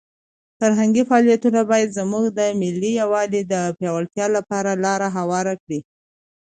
فرهنګي فعالیتونه باید زموږ د ملي یووالي د پیاوړتیا لپاره لاره هواره کړي.